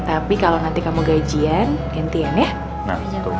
tapi kalau nanti kamu gajian gantian ya